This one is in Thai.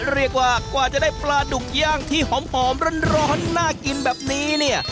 เรียกว่ากว่าจะได้ปลาดุกย่างที่หอมร้อนน่ากินแบบนี้เนี่ย